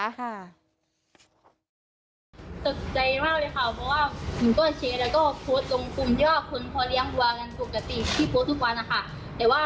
ตกใจมากเลยค่ะเพราะว่าหนูก็แชร์แล้วก็โพสต์ตรงกลุ่มยอดคนพอเลี้ยงวัวกันปกติที่โพสต์ทุกวันนะคะ